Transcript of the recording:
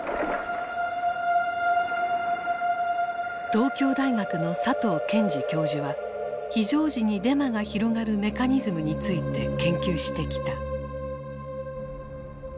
東京大学の佐藤健二教授は非常時にデマが広がるメカニズムについて研究してきた。